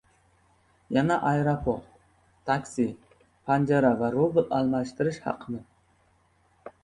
Yana aeroport. Taksi, panjara va «rubl almashtirish» haqida